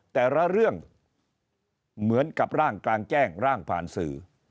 แต่ละเรื่องเหมือนกับร่างกลางแจ้งร่างผ่านสื่อ